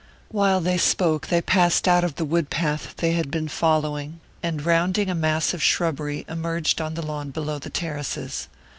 While she spoke they passed out of the wood path they had been following, and rounding a mass of shrubbery emerged on the lawn below the terraces.